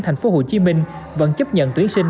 thành phố hồ chí minh vẫn chấp nhận tuyển sinh